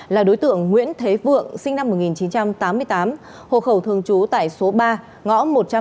là đối tượng nguyễn thế vượng sinh năm một nghìn chín trăm tám mươi tám hộ khẩu thường trú tại số ba